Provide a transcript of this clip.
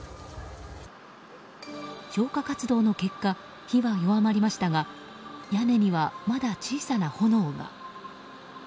消火活動の結果火は弱まりましたが屋根には、まだ小さな炎が。